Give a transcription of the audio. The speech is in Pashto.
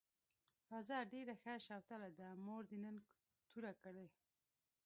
راځه ډېره ښه شوتله ده، مور دې نن توره کړې.